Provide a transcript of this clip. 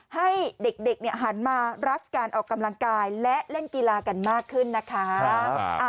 ให้เด็กหันมารักการออกกำลังกายและเล่นกีฬากันมากขึ้นนะคะ